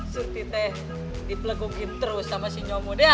surti teh dipelegukin terus sama si nyomote ya